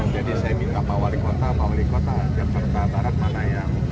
jadi saya minta pak wali kota pak wali kota jakarta taras manayang